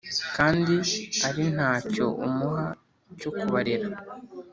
kandi ari ntacyo umuha cyo kubarera